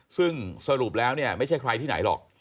ซึ่งสรุปแล้วเนี่ยไม่ใช่ใครที่ไหนหรอก